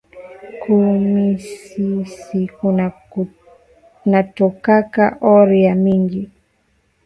Ku misisi kuna tokaka or ya mingi